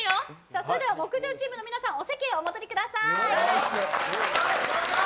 それでは木１０チームの皆さんお席にお戻りください。